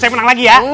saya menang lagi ya